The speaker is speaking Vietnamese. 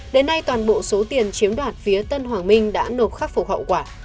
đến nay toàn bộ số tiền chiếm đoạt phía tân hoàng minh đã nộp khắc phục hậu quả